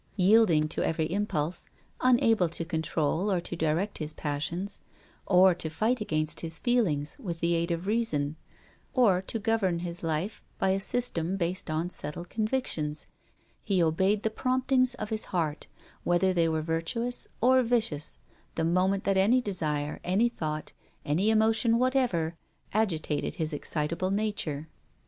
Yielding to every impulse, unable to control or to direct his passions, or to fight against his feelings with the aid of reason, or to govern his life by a system based on settled convictions, he obeyed the promptings of his heart, whether they were virtuous or vicious, the moment that any desire, any thought, any emotion whatever, agitated his excitable nature.